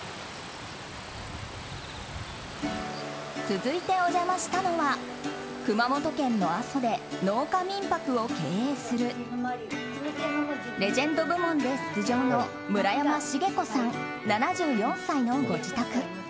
続いてお邪魔したのは熊本県の阿蘇で農家民泊を経営するレジェンド部門で出場の村山茂子さん、７４歳のご自宅。